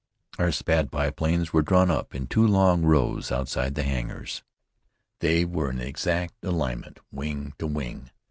Our Spad biplanes were drawn up in two long rows, outside the hangars. They were in exact alignment, wing to wing.